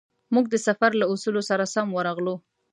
موږ د سفر له اصولو سره سم ورغلو.